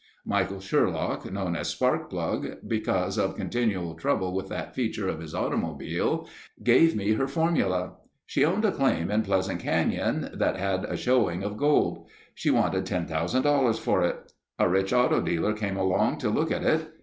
Michael Sherlock, known as Sparkplug, because of continual trouble with that feature of his automobile, gave me her formula: "She owned a claim in Pleasant Canyon that had a showing of gold. She wanted $10,000 for it. A rich auto dealer came along to look at it.